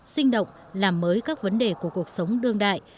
sinh động làm mới các vấn đề của cuộc sống đương đại